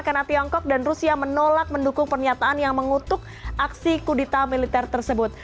karena tiongkok dan rusia menolak mendukung pernyataan yang mengutuk aksi kudita militer tersebut